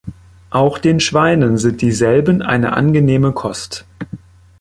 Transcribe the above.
Auch den Schweinen sind dieselben eine angenehme Kost“.